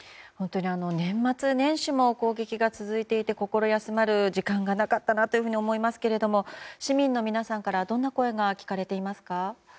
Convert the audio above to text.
年末年始も攻撃が続いていて心休まる時間がなかったというふうに思いますが市民の皆さんからはどんな声が聞かれていますか。